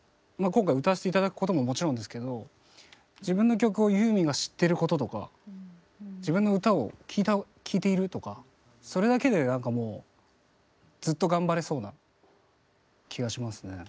今回歌わして頂くことももちろんですけど自分の曲をユーミンが知ってることとか自分の歌を聴いているとかそれだけでなんかもうずっと頑張れそうな気がしますね。